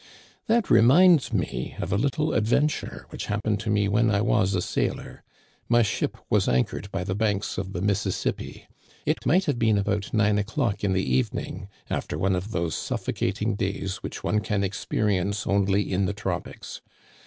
" That reminds me of a little adventure which hap pened to me when I was a sailor. My ship was anchored by the banks of the Mississippi. It might have been about nine o'clock in the evening, after one of those suf focating days which one can experience only in the tropics.